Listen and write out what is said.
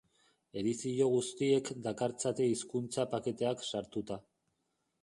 Edizio guztiek dakartzate hizkuntza paketeak sartuta.